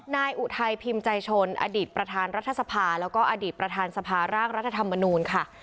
อุทัยพิมพ์ใจชนอดีตประธานรัฐสภาแล้วก็อดีตประธานสภาร่างรัฐธรรมนูลค่ะ